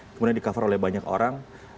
kemudian di cover oleh banyak orang